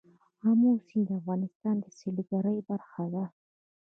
آمو سیند د افغانستان د سیلګرۍ برخه ده.